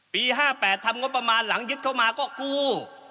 ๕๘ทำงบประมาณหลังยึดเข้ามาก็กู้